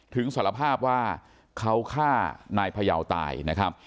สารภาพว่าเขาฆ่านายพยาวตายนะครับ